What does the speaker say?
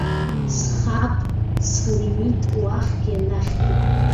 Сҟапҵлмит уахьгьы, анахьгьы.